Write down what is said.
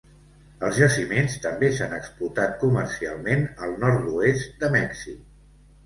Els jaciments també s'han explotat comercialment al nord-oest de Mèxic.